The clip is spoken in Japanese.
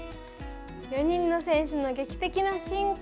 ４人の選手の劇的な進化。